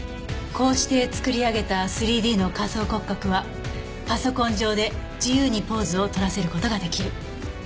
こうして作り上げた３Ｄの仮想骨格はパソコン上で自由にポーズを取らせる事が出来る。